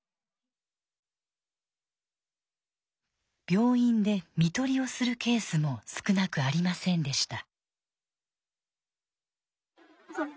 病院で看取りをするケースも少なくありませんでした。